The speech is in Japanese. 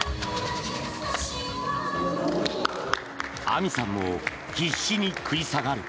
あみさんも必死に食い下がる。